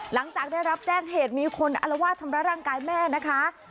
หลังจากได้รับแจ้งเหตุมีคนอลวาดทำร้ายร่างกายแม่นะคะ